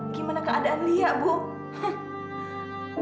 gimana keadaan lia bu